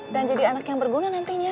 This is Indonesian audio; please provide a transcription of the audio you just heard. jadi anak yang berguna nantinya